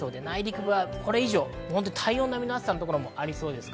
内陸では、これ以上体温並みの暑さのところもありそうです。